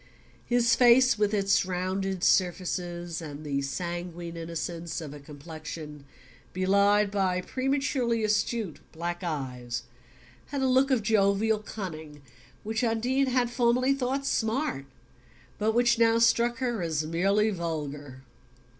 His face, with its rounded surfaces, and the sanguine innocence of a complexion belied by prematurely astute black eyes, had a look of jovial cunning which Undine had formerly thought "smart" but which now struck her as merely vulgar.